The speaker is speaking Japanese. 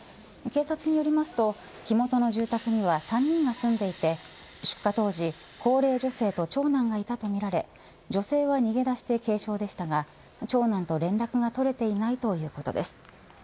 警察によりますと火元の住宅には３人が住んでいて出火当時、高齢女性と長男がいたとみられ女性は逃げ出して軽傷でしたが長男と連絡が取れていないということです。